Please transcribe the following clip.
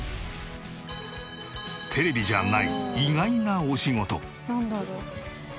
テレビじゃない意外なお仕事。